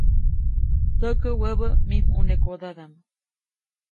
Tsäkä wäbä mij ʼmunekodadaʼm.